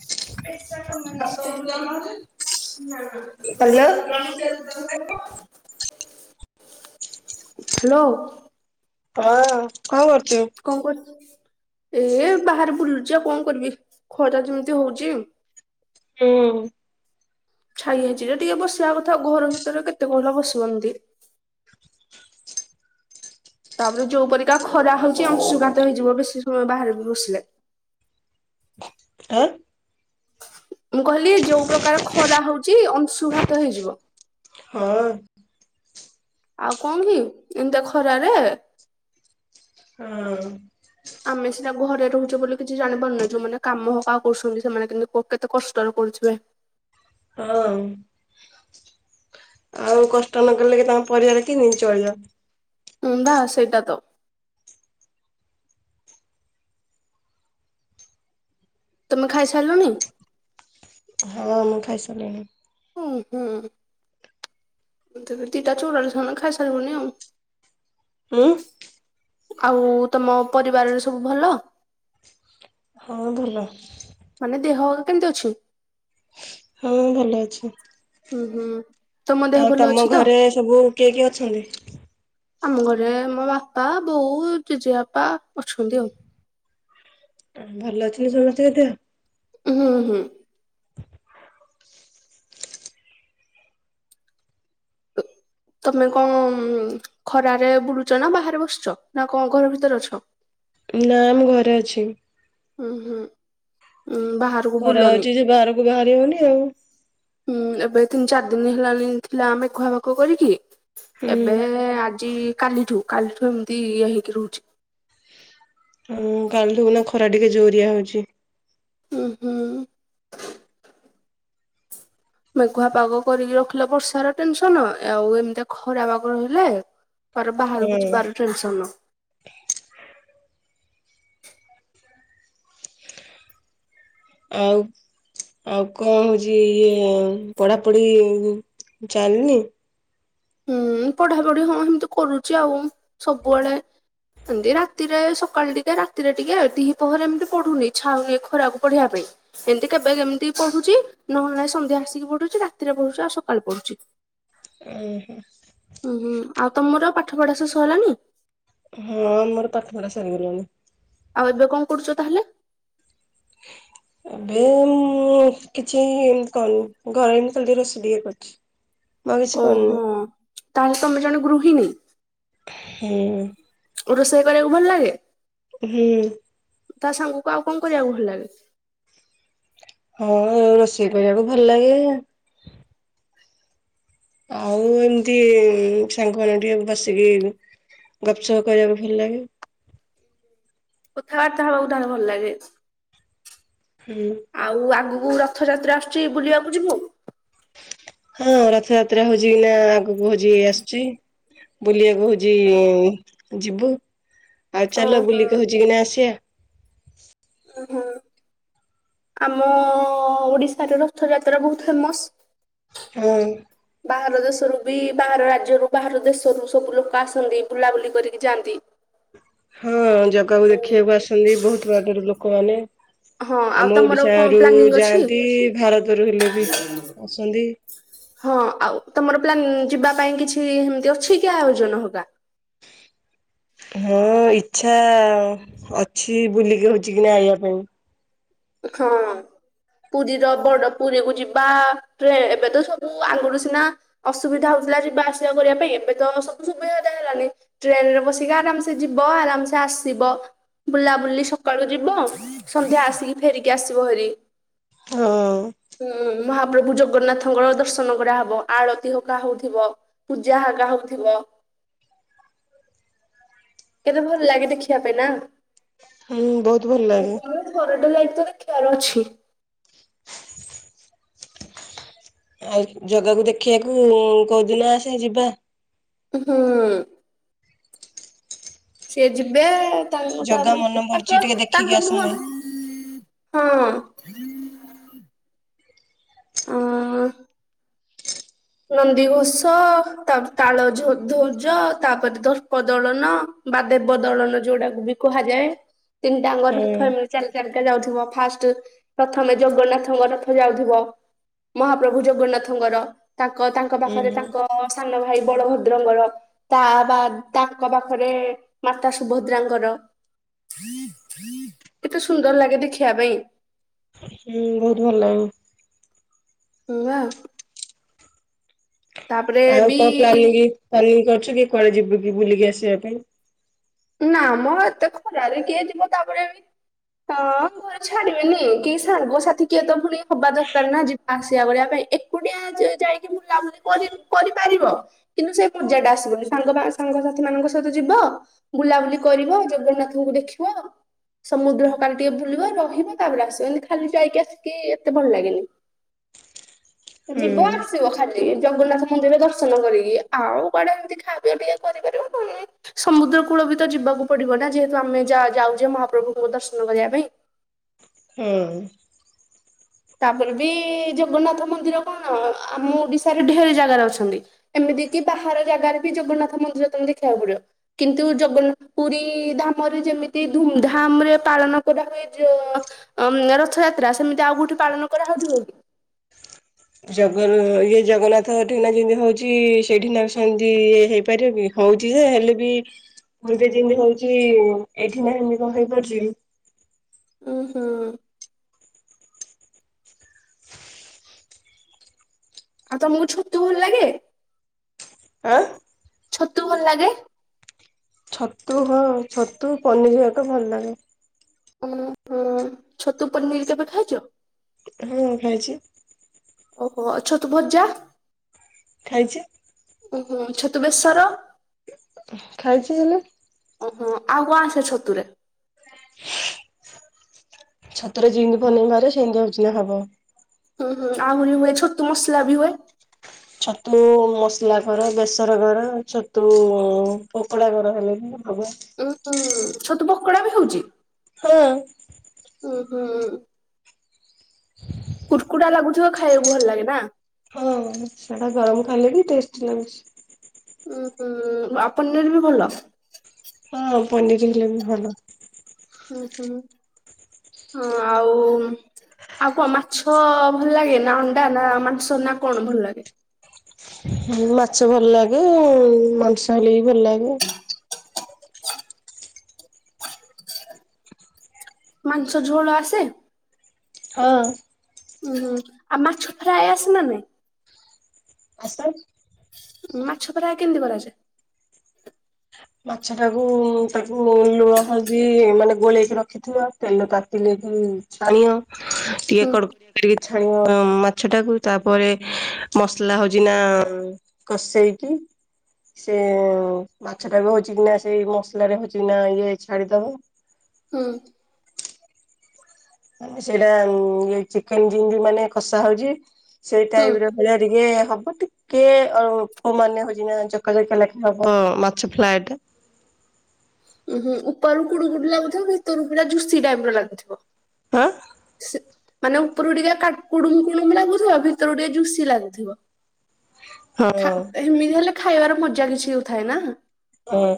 ପ ଏ ନା ନା ହ୍ୟାଲୋ ହ୍ୟାଲୋ। ହଁ କଣ କରୁ ଏ ବାହାରେ ବୁଲୁ ବୁଲୁଚି ଆଉ କଣ କରିବି ଖରା ଯେମିତି ହଉଛି। ହୁଁ। ଛାଇ ହେଇଛି ଯେ ଟିକେ ବସିବା କଥା, ଘର ଭିତରେ କେତେ କହିଲ ବସିବ ଏମିତି। ତାପରେ ଯୋଉ ପରିକା ଖରା ହଉଛି ଅଂଶୁଘାତ ହେଇଯିବ, ବେଶୀ ସମୟ ବାହାରେ ବି ବସିଲେ। ଆଁ। ମୁଁ କହିଲି ଯୋଉ ପ୍ରକାର ଖରା ହଉଛି ଅଂଶୁଘାତ ହେଇଯିବ। ହଁ। ଆଉ କଣ କି ଏମିତିଆ ଖରାରେ ହଁ। ଆମେ ସିନା ଘରେ ରହୁଛେ ବୋଲି କିଛି ଜାଣି ପାରୁନେ, ଯୋଉମାନେ କାମ ହକା କରୁଛନ୍ତି ସେମାନେ କିନ୍ତି କେତେ କଷ୍ଟର କରୁଥିବେ। ହଁ। ଆଉ କଷ୍ଟ ନକଲେ କି ତାଙ୍କ ପରିବାର କେମିତି ଚଳିବ? ହଁ ବା ସେଇଟା ତ। ତମେ ଖାଇସାରିଲଣି? ହଁ ମୁଁ ଖାଇସାରିଲିଣୀ। ହୁଁ ଉଁ ହୁଁ ତ ଦିଟା ଚୁଡ଼ ରେ ସାନ ଖାଇସାରିବନି ଆଉ। ହୁଁ। ଆଉ ତମ ପରିବାରରେ ସବୁ ଭଲ। ହଁ ଭଲ। ମାନେ ଦେହ କେମିତି ଅଛି। ହୁଁ ଭଲ ଅଛି। ହୁଁ ହୁଁ ତମ ଦେହ ଆଉ ଭଲ ତମ ଅଛି ତ? ଘରେ ସବୁ କିଏ କିଏ ଅଛନ୍ତି? ଆମ ଘରେ ମୋ ବାପା ବୋଉ ଜେଜେ ବାପା ଅଛନ୍ତି ଆଉ। ହୁଁ ଭଲ ଅଛି ନା ସମସ୍ତି ଙ୍କ ଦେହ। ହୁଁ ହୁଁ। ତମେ କଣ ଖରାରେ ବୁଲୁଛ ନା ବାହାରେ ବସିଛ ନା କଣ ଘର ଭିତରେ ଅଛ? ନା ମୁଁ ଘରେ ଅଛି। ହୁଁ ହୁଁ। ଉଁ ବାହାରକୁ ଖରା ବୁଲନି ହଉଛି ଯେ ବାହାରକୁ ବାହାରି ହଉନି ଆଉ। ହୁଁ ଏବେ ତିନି ଚାର ଦିନ ହେଲାଣି ଥିଲା ମେଘୁଆ ପାଗ କରିକି ହୁଁ ଏବେ ଆଜି। କାଲିଠୁ କାଲିଠୁ ଏମିତି ଇଏ ହେଇକି ରହୁଛି। ହୁଁ କାଲିଠୁ ଏଇନା ଖରା ଟିକେ ଜୋରିଆ ହଉଛି। ଉଁ ହୁଁ। ମେଘୁଆ ପାଗ କରିକି ରଖିଲେ ବର୍ଷାର ଟେନସନ ଆଉ ଏମିତି ଖରା ପାଗ ରହିଲେ। କୁଆଡ଼େ ହଁ ବାହାରକୁ ଯିବାର ଟେନସନ। ଆଉ। ଆଉ କଣ ହଉଛି ଇଏ ପଢାପଢି ଚାଲିନି। ହୁଁ ପଢାପଢି ହଁ ଏମିତି କରୁଛି ଆଉ ସବୁବେଳେ। ଏମିତି ରାତିରେ ସକାଳେ ଟିକେ ରାତିରେ ଟିକେ ଦି ପହରେ ଏମିତି ପଢୁନି ଇଚ୍ଛା ହଉନି ଏ ଖରାକୁ ପଢିବା ପାଇଁ। ଏମିତି କେବେ କେମିତି ପଢୁଛି ନହେଲେ ନାଇଁ ସନ୍ଧ୍ୟା ଆସିକି ପଢୁଛି ରାତିରେ ପଢୁଛି ଆଉ ସକାଳେ ପଢୁଛି। ହ ହୁଁ ହୁଁ ଆଉ ତମର ପାଠ ପଢା ସବୁ ସଇଲାନି। ହୁଁ ମୋର ପାଠ ପଢା ସରିଗଲାଣି। ଆଉ ଏବେ କଣ କରୁଛ ତାହେଲେ? ହ ଏବେ ମୁଁ କିଛି ଏଇ ଏମିତି କରିନି ଘରେ ଏମିତି ଖାଲି ଟିକେ ରୋଷେଇ ଟିକେ କରୁଚି। ହ ଓହୋ ତାହେଲେ ତମେ ଜଣେ ଗୃହିଣୀ। ହୁଁ। ରୋଷେଇ କରିବାକୁ ଭଲ ଲାଗେ। ହୁଁ। ତା ସାଙ୍ଗକୁ ଆଉ କଣ କରିବାକୁ ଭଲ ଲାଗେ। ହଁ ରୋଷେଇ କରିବାକୁ ଭଲ ଲାଗେ। ଆଉ ଏମିତି ସାଙ୍ଗ ମାନଙ୍କ ଟିକେ ବସିକି। ଗପସପ କରିବାକୁ ଭଲ ଲାଗେ। କଥା ବାର୍ତ୍ତା ହବାକୁ ତାହେଲେ ଭଲ ଲାଗେ। ହୁଁ। ଆଉ ଆଗକୁ ରଥଯାତ୍ରା ଆସୁଛି ବୁଲିବାକୁ ଯିବୁ। ହଁ ରଥଯାତ୍ରା ହଉଛି ଏଇନା ଆଗକୁ ହଉଛି ଆସୁଛି ବୁଲିବା କହୁଛି ଯିବୁ ଆଉ ଚାଲ ଓହୋ ବୁଲିକି ହଉଛି କିନା ଆସିଆ। ହୁଁ। ଆମ ଓଡ଼ିଶାରେ ରଥଯାତ୍ରା ବହୁତ ଫେମସ। ହୁଁ। ବାହାର ଦେଶରୁ ବି ବାହାର ରାଜ୍ୟରୁ ବାହାର ଦେଶରୁ ସବୁ ଲୋକ ଆସନ୍ତି ବୁଲାବୁଲି କରିକି ଯାଆନ୍ତି। ହୁଁ ଜଗାକୁ ଦେଖିବାକୁ ଆସନ୍ତି ବହୁତ ବାଟରୁ ଲୋକମାନେ। ହଁ ଆଉ ଆମ ତମର ଓଡିଶ କଣ ରୁ ପ୍ଲାନିଂ ଅଛି? ଯାଆନ୍ତି, ଭାରତରୁ ହେଲେ ବି ଆସନ୍ତି। ହଁ ଆଉ ତମର ପିଲା ଯିବା ପାଇଁ କିଛି ଏମତି ଅଛି କି ଆୟୋଜନ ହବା? ହଁ ଇଚ୍ଛା ଅ ହଁ। ପୁରୀର ବଡ ପୁରୀ କୁ ଯିବା ଟେ ଏବେ ତ ସବୁ ଯିବା ଆସିବା କରିବା ପାଇଁ ଏବେ ତ ସବୁ ସୁବିଧା ହେଲାନି ଟ୍ରେନ ରେ ବସିକି ଆରାମସେ ଯିବ, ଆରାମସ ଆସିବ, ବୁଲାବୁଲି ସକାଳୁ ଯିବ ସନ୍ଧ୍ୟା ଆସିକି ଫେରିକି ଆସିବ ଭରି। ହଁ। ମହାପ୍ରଭୁ ଜଗନ୍ନାଥଙ୍କର ଦର୍ଶନ କରାହବ ଆଳତି ହରିକା ହଉଥିବ ପୂଜା ହକା ହଉଥିବ। କେତେ ଭଲ ଲାଗେ ଦେଖିବା ପାଇଁ ନା, ହୁଁ ବହୁତ ଭଲ ଲାଗେ। ଘରଟେ ଲାଗ ଅଛି। ଆଉ ଜଗାକୁ ଦେଖିବାକୁ କୋଉଦିିନ ଆସ ଯିବା? ହୁଁ। ସେ ଯିବେ ତାଙ୍କୁ ଜଗା ତାପରେ ମନେ ତାଙ୍କ ପଡୁଛି ଟିକେ ଦେଖିକି ତାଙ୍କ ମୁହଁ ଆସନ୍ତେ। ହଁ। ଓ। ନନ୍ଦିଘୋଷ ତାପରେ ତାଳ ଧୋ ଧର୍ଜ ତାପରେ ଧର୍ପ ଦଳନ। ବା ଦେବ ଦଳନ ଯଉଟାକୁ ବି କୁହାଯାଏ ହଁ ତିନିଟାଙ୍ଗର ଥଏ ମ ଚାରି ଚାରି ଯାଉଥିବ ଫାଷ୍ଟ ପ୍ରଥମେ ଜଗନ୍ନାଥଙ୍କ ରଥ ଯାଉଥିବ। ମହାପ୍ରଭୁ ଜଗନ୍ନାଥଙ୍କର ତାଙ୍କ ତାଙ୍କ ହୁଁ ପାଖରେ ତାଙ୍କ ସାନ ଭାଇ ବଳଭଦ୍ରଙ୍କର ତା ବା ତାଙ୍କ ପାଖରେ ମାତା ସୁଭଦ୍ରାଙ୍କର। କେତେ ସୁନ୍ଦର ଲାଗେ ଦେଖିବା ପାଇଁ। ହୁଁ ବହୁତ ଭଲ ଲାଗେ। ନା। ଆଉ କଣ ପ୍ଲାନିଂ ପ୍ଲାନିଂ କରୁଛ କି କୁଆଡେ ଯିବୁ କି ବୁଲିକି ଆସିବା ପାଇଁ? ନା ମ ଏତେ ଖରାରେ କିଏ ଯିବ ତାପରେ ହଁ ଘରେ ଛାଡିବେନି କେହି ସାଙ୍ଗ ସାଥି କିଏ ତ ପୁଣି ହବା ଦରକାର ନା ଯିବା ଆସିବା ଭଳିଆ ପାଇଁ। ଏକୁଟିଆ ଯାଇକି ବୁଲାବୁଲି କରିପାରିବ କିନ୍ତୁ ସେ ପୂଜା ଟା ଆସିବନି ସାଙ୍ଗ ସାଙ୍ଗସାଥି ମାନଙ୍କ ସହିତ ଯିବ ବୁଲାବୁଲି କରିବ ଜଗନ୍ନାଥଙ୍କୁ ଦେଖିବ। ସମୁଦ୍ର ହକାଲି ଟିକେ ବୁଲିବ ରହିବ ତାପରେ ଆସିବ ଏତି ଖାଲି ଯାଇକି ଆସିକି ଏତେ ଭଲ ଲାଗେନି। [inaudible] ଯିବ ଆସିବ ଖାଲି। ଜଗନ୍ନାଥ ମନ୍ଦିରରେ ଦର୍ଶନ କରିକି ଆଉ କୁଆଡେ ଏମିତି ଖାଇବିବା ଟିକେ କରିପାରିବ କ ସମୁଦ୍ର କୂଳ ବି ତ ଯିବାକୁ ପଡିବ ନା ଯେହେତୁ ଆମେ ଯାଉଛେ ମହାପ୍ରଭୁଙ୍କ ଦର୍ଶନ କରିବା ପାଇଁ। ହୁଁ। ତାପରେ ବି ଜଗନ୍ନାଥ ମନ୍ଦିର କଣ ଆମ ଓଡିଶାରେ ଢେରେ ଜାଗାରେ ଅଛନ୍ତି। ଏମତି କି ବାହାର ଜାଗାରେ ବି ଜଗନ୍ନାଥ ମନ୍ଦିର ତମେ ଦେଖିବାକୁ ପଡିବ କିନ୍ତୁ ଜଗନ୍ନାଥ ପୁରୀ ଧାମ ଯେମିତି ଧୁମଧାମ ରେ ପାଳନ କରା ହୁଏ ରଥଯାତ୍ରା ସେମିତି ଆଉ ଗୋଟେ ପାଳନ କରାହୋଉଥିବ। ଜଗ ଇଏ ଜଗନ୍ନାଥ [unintelligible] ଯେମିତି ହଉଛି ସେଇଠିନା ସେମିତି ଇଏ ହେଇପାରିବ କି ହ ହଉଛି ଯେ ହେଲେ ବି ପୂର୍ବେ ଯେମିତି ହଉଛି ଏଇଠି ନାଁ ଏମତି କ ହେଇପାରୁଛି। ହୁଁ ହୁଁ। ଆଉ ତ ମର ଛୋଟ ତୁ ଭଲ ଲାଗେ। ଆ। ଛତୁ ଭଲ ଲାଗେ? ଛତୁ ହଁ ଛତୁ ପନିରିବା ଟା ଭଲ ଲାଗେ। ହ ହ ଛତୁ ପନିର କେବେ ଖାଇଚ? ହୁଁ ଖାଇଚି। ଓହୋ ଛତୁ ଭଜା। ଖାଇଚି, ଓହୋ ଛତୁ ବେଶର। ଖାଇଛି ହେଲେ ଓହୋ ଆଉ କଣ ଆସେ ଛତୁରେ। ଛତୁରେ ଜିନ୍ତି ଵନେଇ ବାରେ ସିନ୍ତି ହଉଚି ହବ। ହୁଁ ହୁଁ ଆହୁରି ହୁଏ ଛତୁ ମସଲା ବି ହୁଏ। ଛତୁ ମସଲା କର ବେସର କର ଛତୁ ପକୋଡା କର ହେଲେ ବି ହବ। ଉଁ ଉଁ ଛତୁ ପକୋଡା ବି ହଉଛି। ହଁ। ଉଁ ହୁଁ। ଛତୁଆ ଖାଇବାକୁ ଭଲ ଲାଗେ ନା। ହଁ ସେଟା ଗରମ ଖାଇଲେ ବି ଟେଷ୍ଟି ଲାଗୁଛି। ଉୁଁ ହୁଁ ଆପନର ବି ଭଲ। ହଁ ପନିର ହେଲେ ବି ଭଲ। ହଁ ହୁଁ ହଁ ଆଉ ଆଉ କଣ ମାଛ ଭଲ ଲାଗେ ନା ଅଣ୍ଡା ନା ମାଂସ ନା କଣ ଭଲ ଲାଗେ। ମାଛ ଭଲ ଲାଗେ ମାଂସ ହେଲେ ବିି ଭଲ ଲାଗେ। ମାଂସଝୋଳ ଆସେ? ହଁ। ଉୁଁ ଆଉ ମାଛ ଫ୍ରାଏ ଆସେ ନା ନାଇଁ। ଆସେ। ମାଛ ପରା କେମିତି କରାଯାଏ। ମାଛ ଟାକୁ ତାକୁ ଲୁଣ ହଳଦି ମାନେ ଗୋଳେଇକି ରଖିଥିବ ତେଲ ତାତିଲେ ଛାଣିଅ ଟିକେ ହୁଁ କଡ଼କଡ଼ିକି ଛାଣିଅ ମାଛ ଟାକୁ ତାପରେ ମସଲା ହଉଛି ନା କଷେଇକି ସେଏ ଏଁ ମା ମାଛ ଟାକୁ ବି ହଉଛି କିନା ସେଇ ମସଲା ରେ ହଉଛିନା ଇଏ ଛାଡିଦବ। ହୁଁ। ମାନେ ସେଇଟା ଇ ଚିକେନ ଜିନ୍ତି ମାନେ କଷା ହଉଛି। ସେଇ ହୁଁ ଟାଇପ ରେ ଭଳିଆ ଟିକେ ହବ। ଟିକେ ଅମାନିଆ ହୋଇକି ନା ଜକା ଜକି ଲେଖା ହବ ମାଛ ଫ୍ଲାଏଟା। ହ [inaudible] ଉ ହୁ ଉପରୁ କୁଡୁ କୁଡୁ ଲାଗୁଥିବ ଭିତରୁ ପୁରା ଜୁସି ଟାଇପ ର ଲାଗୁଥିବ। ଆଁ। ମାନେ ଉପରକୁ ଟିକେ କୁଡୁମ କୁଡୁମ ଲାଗୁଥିବ ଭିତରକୁ ଟିକେ ଜୁସି ଲାଗୁଥିବ। ହଁ ଏମିତି ହେଲେ ଖାଇବାର ମଜା କିଛି ଉ ଥାଏ ନା। ହଉଁ।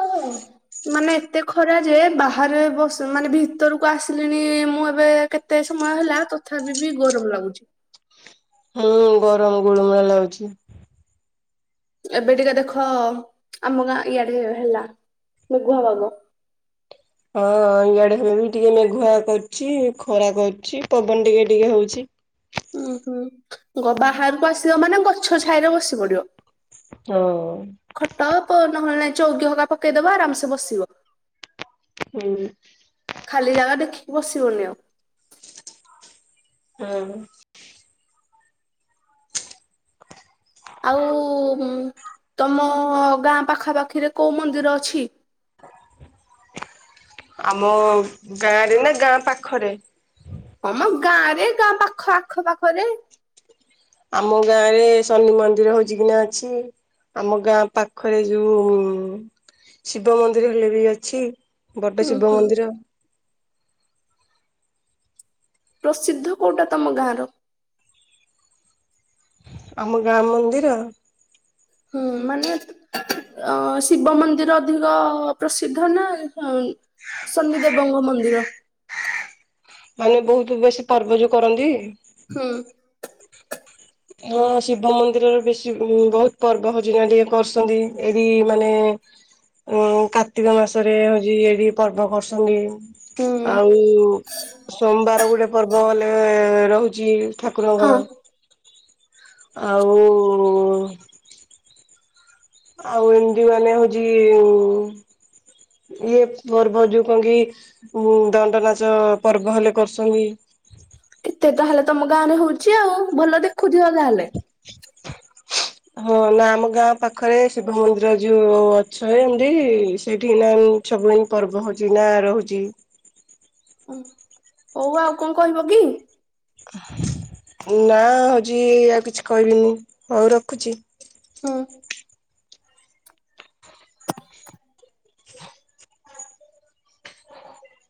ହଁ ଅଁ। ମାନେ ଏତେ ଖରା ଯେ ବାହାରେ ବସି ମାନେ ଭିତରକୁ ଆସିଲିଣି ମୁଁ ଏବେ କେତେ ମୟ ହେଲା ତଥାପି ବି ଗରମ ଲାଗୁଛି। ହୁଁ ଗରମ ଗୁଳୁମୁଳା ଲାଗୁଚି। ଏବେ ଟିକେ ଦେଖ ଆମ ଗାଁ ଇଆଡେ ହେ ହେଲା। ମେଘୁଆ ପାଗ। ହଁ ଇଆଡେ ବି ଟିକେ ମେଘୁଆ କରୁଚି ଖରା କରୁଚି ପବନ ଟିକେ ଟିକେ ହଉଚି। ଉୁଁ ହୁଁ ଗ ବାହାରକୁ ଆସିବ ମାନେ ଗଛ ଛାଇରେ ବସି ପଡିବ। ହଁ ଖଟ ପୋର ନହଲେ ନାଇଁ। ଚୌକି ହକା ପକେଇଦବ ଆରାମସେ ବସିବ। ହୁଁ। ଖାଲି ଜାଗା ଦେଖିକି ବସିବନି ଆଉ। ହଁ। ଆଉ ତମ ଗାଁ ପାଖାପାଖିରେ କୋଉ ମନ୍ଦିର ଅଛି? [inaudible] ଆମ ଗାଁରେ ନା ଗାଁ ପାଖରେ? ହଁ ମ ଗାଁ ରେ ଗାଁ ପାଖ ଆଖ ପାଖରେ ଆମ ଗାଁ ରେ ଶନି ମନ୍ଦିର ହଉଛି କି ନା ଅଛି। ଆମ ଗାଁ ପାଖରେ ଯୋଉ ଶିବ ମନ୍ଦିର ହେଲେ ବି ଅଛି। ବଡ ହୁଁ ଶିବ ହୁଁ ମନ୍ଦିର। ପ୍ରସିଦ୍ଧ କୋଉଟା ତମ ଗାଁର? ଆମ ଗାଁ ମନ୍ଦିର ହୁଁ ମାନେ ଅ ଶିବ ମନ୍ଦିର ଅଧିକ ପ୍ରସିଦ୍ଧ ନା ସନି ଦେବଙ୍କ ମନ୍ଦିର। ମାନେ ବହୁତ ବେଶୀ ପର୍ବ ଯଉ କରନ୍ତି। ହୁଁ। ହଁ ଶିବ ମନ୍ଦିରରେ ବେଶୀ ବହୁତ ପର୍ବ ହଉଛି ନା ଟିକେ କରୁସନ୍ତି ଏଠି ମାନେ କାର୍ତ୍ତିକ ମାସରେ ହଉଛି ଏଇଠି ପର୍ବ କରୁସନ୍ତି। ହୁଁ ଆଉ ସୋମବାର ଗୋଟେ ପର୍ବ ହେଲେ ରହୁଛି। ଠାକୁର ହଁ ଘର ଆଉ ଆଉ ଏମିତି ମାନେ ହଉଛି ଇଏ ପର୍ବ ଯୋଉ କଣ କି ଦଣ୍ଡ ନାଚ ପର୍ବ ହେଲେ କରୁ ଛନ୍ତି। ଏତେ ତାହଲେ ତମ ଗାଁ ରେ ହଉଛି ଆଉ ଭଲ ଦେଖୁଥିବ ତାହେଲେ। ହଁ ନା ଆମ ଗାଁ ପାଖରେ ଶିବ ମନ୍ଦିର ଯୋଉ ଅଛନ୍ତି ଏମତି ସେଠି ନା ବୁ ପର୍ବ ହଉଛି ନା ରହୁଛି। ଓଁ ହଉ ଆଉ କଣ କହିବ କି? [inaudible] ନା ହଉଛି ଆଉ କିଛି କହିବିନି ହଉ ରଖୁଛି। ହୁଁ [inaudible] [inaudible]